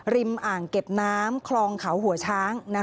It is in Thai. อ่างเก็บน้ำคลองเขาหัวช้าง